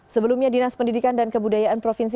sebelumnya dinas pendidikan dan kebudayaan provinsi